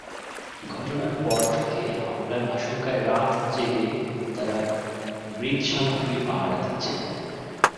ঘটনার পর থেকে হামলার আশঙ্কায় রাত জেগে তাঁরা মৃৎসামগ্রী পাহারা দিচ্ছেন।